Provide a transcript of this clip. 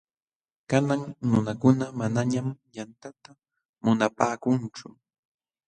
Kanan nunakuna manañam yantata munapaakunchu.